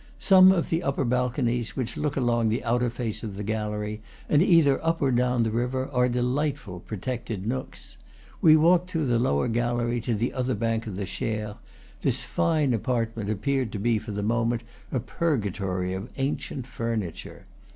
Some of the upper balconies, which look along the outer face of the gallery, and either up or down the river, are delightful protected nooks. We walked through the lower gallery to the other bank of the Cher; this fine apartment appeared to be for the moment a purgatory of ancient furniture.